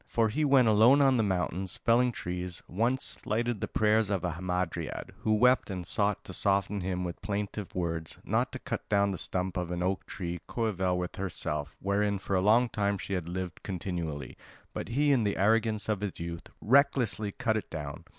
For he when alone on the mountains, felling trees, once slighted the prayers of a Hamadryad, who wept and sought to soften him with plaintive words, not to cut down the stump of an oak tree coeval with herself, wherein for a long time she had lived continually; but he in the arrogance of youth recklessly cut it down.